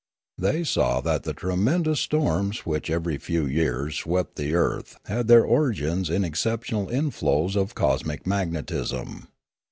They saw that the tremendous storms which every few years swept the earth had their origin in exceptional inflows of cosmic magnetism.